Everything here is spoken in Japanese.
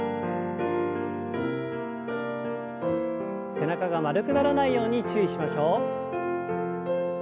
背中が丸くならないように注意しましょう。